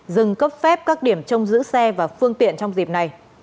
dừng cấp phép các điểm trong giữ xe và phương tiện trong dịp này